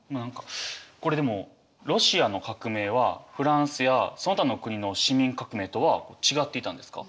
これでもロシアの革命はフランスやその他の国の市民革命とは違っていたんですか？